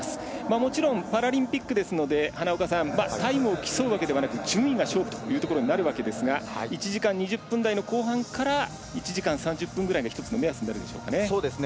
もちろんパラリンピックですのでタイムを競うわけではなく順位が勝負ということになるわけですが１時間２０分台の後半から１時間３０分ぐらいが１つの目安になるでしょうね。